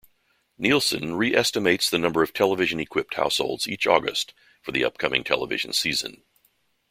Nielsen re-estimates the number of television-equipped households each August for the upcoming television season.